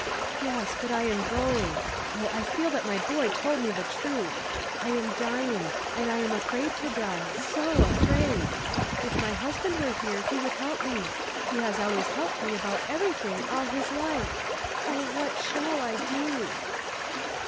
" Yes, but I am going. Oh, I feel that my boy told me the truth. I am dying, and I am afraid to die — so afraid; if my husband were here he would help me ; he has always helped me about everything all his life. Oh, what shall I do